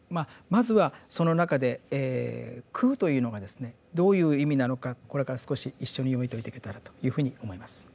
まずはその中で「空」というのがですねどういう意味なのかこれから少し一緒に読み解いていけたらというふうに思います。